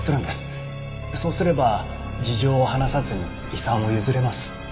そうすれば事情を話さずに遺産を譲れます。